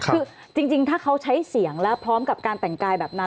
คือจริงถ้าเขาใช้เสียงแล้วพร้อมกับการแต่งกายแบบนั้น